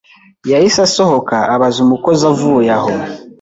yahise asohoka abaza umukozi uvuye aho